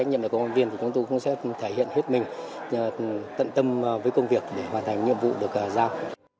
chúng tôi cũng sẽ thể hiện hết mình tận tâm với công việc để hoàn thành nhiệm vụ được giao